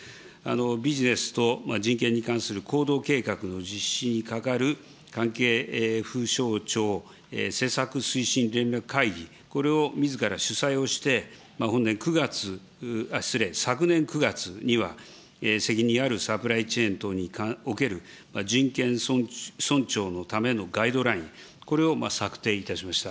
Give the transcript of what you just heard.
ビジネスと人権に関する行動計画の実施にかかる関係府省庁政策推進会議、これをみずから主催をして、本年９月、失礼、昨年９月には責任あるサプライチェーン等における人権尊重のためのガイドライン、これを策定いたしました。